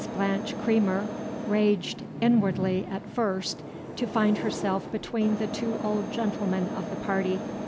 Blanche Creamer raged inwardly at first to find herself between the two old gentlemen of the party.